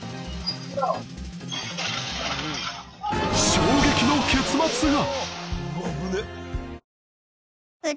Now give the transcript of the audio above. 衝撃の結末が！